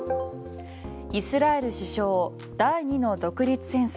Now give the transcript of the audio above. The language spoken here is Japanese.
イスラエル首相、第２の独立戦争